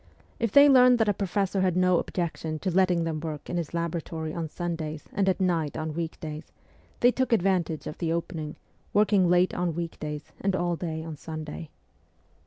If they learned that a professor had no objection to letting them work in his laboratory on Sundays and at night on week days, they took advantage of the opening, working late on week days and all day on Sunday.